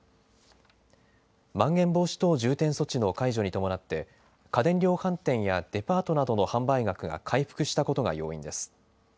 まん延防止等重点措置の解除に伴って家電量販店やデパートなどの販売額が回復したことが要因です。